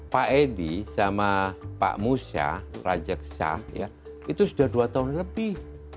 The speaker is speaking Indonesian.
pak edi sama pak musyah raja shah ya itu sudah dua tahun lebih